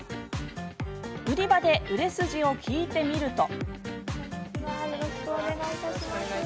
売り場で売れ筋を聞いてみると。